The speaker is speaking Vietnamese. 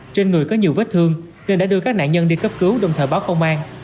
trên người có nhiều vết thương nên đã đưa các nạn nhân đi cấp cứu đồng thời báo công an